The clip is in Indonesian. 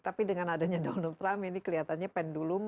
tapi dengan adanya donald trump ini kelihatannya pendulum